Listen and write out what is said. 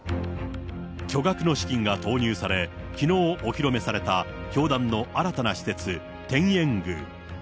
巨額の資金が投入され、きのうお披露目された教団の新たな施設、天苑宮。